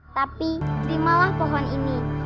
tapi terimalah pohon ini